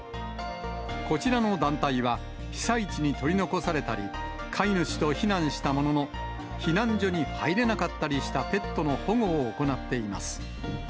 こちらの団体は、被災地に取り残されたり、飼い主と避難したものの、避難所に入れなかったりしたペットの保護を行っています。